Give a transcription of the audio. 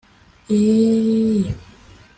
Eeeh